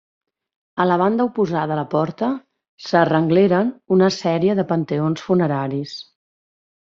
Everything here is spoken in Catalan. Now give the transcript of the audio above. A la banda oposada a la porta s'arrengleren una sèrie de panteons funeraris.